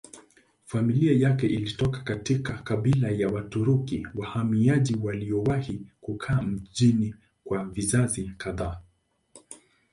Familia yake ilitoka katika kabila ya Waturuki wahamiaji waliowahi kukaa mjini kwa vizazi kadhaa.